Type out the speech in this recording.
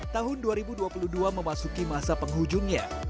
tahun dua ribu dua puluh dua memasuki masa penghujungnya